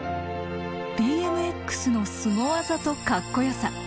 ＢＭＸのスゴ技とカッコよさ。